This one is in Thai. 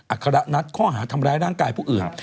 อคระนัดข้อหาทำร้ายร่างกายผู้อื่น